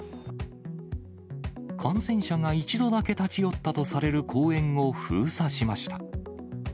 感染者が一度だけ立ち寄ったとされる公園を封鎖しました。